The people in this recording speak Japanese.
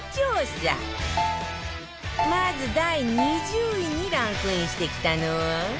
まず第２０位にランクインしてきたのは